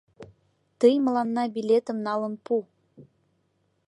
— Тый мыланна билетым налын пу!